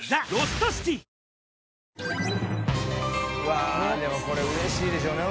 わぁでもこれうれしいでしょうね